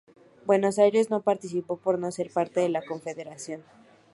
Buenos Aires no participó por no ser parte de la Confederación.